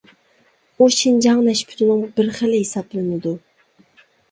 ئۇ شىنجاڭ نەشپۈتىنىڭ بىر خىلى ھېسابلىنىدۇ.